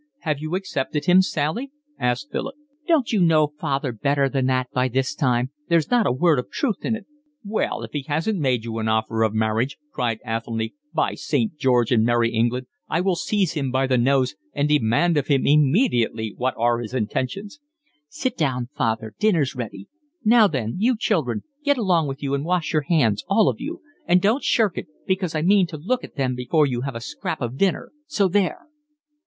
"Have you accepted him, Sally?" asked Philip. "Don't you know father better than that by this time? There's not a word of truth in it." "Well, if he hasn't made you an offer of marriage," cried Athelny, "by Saint George and Merry England, I will seize him by the nose and demand of him immediately what are his intentions." "Sit down, father, dinner's ready. Now then, you children, get along with you and wash your hands all of you, and don't shirk it, because I mean to look at them before you have a scrap of dinner, so there."